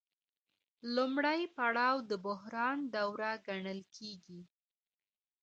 لومړی پړاو د بحران دوره ګڼل کېږي